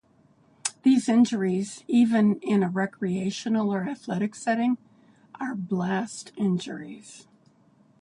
These injuries, even in a recreational or athletic setting, are blast injuries.